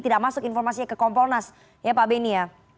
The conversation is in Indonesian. tidak masuk informasinya ke kompolnas ya pak beni ya